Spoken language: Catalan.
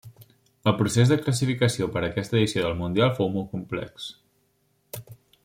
El procés de classificació per aquesta edició del mundial fou molt complex.